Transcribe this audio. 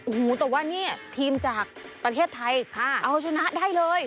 โอ้โหแต่ว่านี่ทีมจากประเทศไทยเอาชนะได้เลย